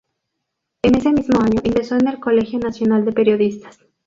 En ese mismo año ingresó en el Colegio Nacional de Periodistas.